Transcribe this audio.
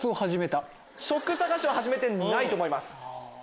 職探しは始めてないと思います。